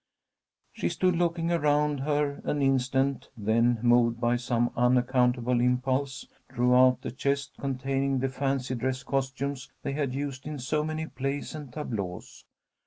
She stood looking around her an instant, then, moved by some unaccountable impulse, drew out the chest containing the fancy dress costumes they had used in so many plays and tableaux.